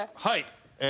はい。